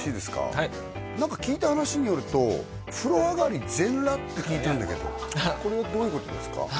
はい何か聞いた話によると風呂上がり全裸って聞いたんだけどこれはどういうことですか？